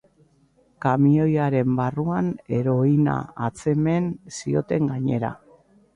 Kamioiaren barruan heroina atzeman zioten, gainera.